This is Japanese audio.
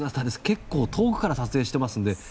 結構、遠くから撮影していますので。